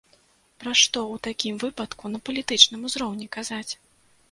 Пра што ў такім выпадку на палітычным узроўні казаць?